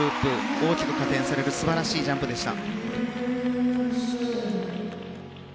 大きく加点される素晴らしいジャンプでした。